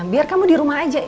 biar kamu di rumah aja